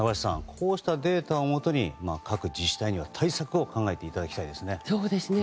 こうしたデータをもとに各自治体には対策を考えていただきたいですね。